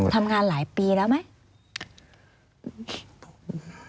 ทำงานหลายปีแล้วไหม